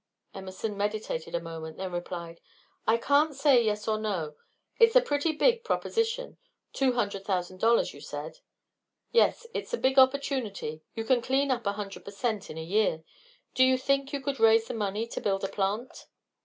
Emerson meditated a moment, then replied: "I can't say yes or no. It's a pretty big proposition two hundred thousand dollars, you said?" "Yes. It's a big opportunity. You can clean up a hundred per cent. in a year. Do you think you could raise the money to build a plant?"